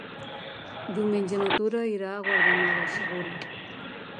Diumenge na Tura irà a Guardamar del Segura.